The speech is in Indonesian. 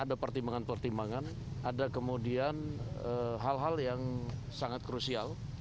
ada pertimbangan pertimbangan ada kemudian hal hal yang sangat krusial